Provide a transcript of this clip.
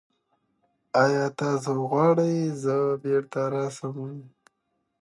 ډيموکراټ نظام کښي د بشري جهد او سرښندنو نتیجه ده.